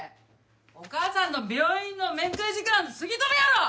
お義母さんの病院の面会時間過ぎとるやろ！